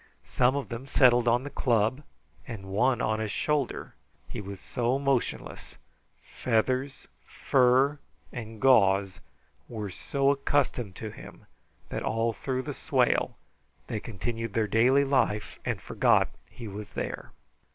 Some of them settled on the club, and one on his shoulder. He was so motionless; feathers, fur, and gauze were so accustomed to him, that all through the swale they continued their daily life and forgot he was there.